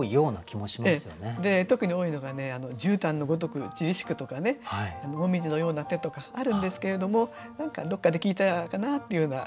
特に多いのがね「じゅうたんの如く散り敷く」とかね「紅葉のような手」とかあるんですけれども何かどこかで聞いたかなというようなフレーズですよね。